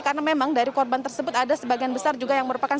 karena memang dari korban tersebut ada sebagian besar juga yang merupakan